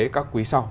các quý sau